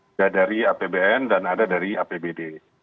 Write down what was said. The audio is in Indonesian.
ada dari apbn dan ada dari apbd